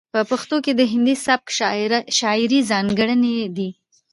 په پښتو کې د هندي سبک شاعرۍ ځاتګړنې دي.